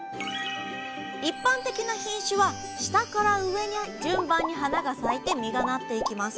一般的な品種は下から上に順番に花が咲いて実がなっていきます。